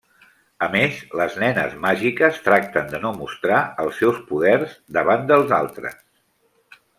A més les nenes màgiques tracten de no mostrar els seus poders davant dels altres.